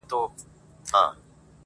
• زه به له خپل دياره ولاړ سمه.